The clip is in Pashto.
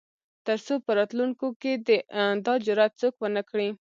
تر څو په راتلونکو کې دا جرات څوک ونه کړي.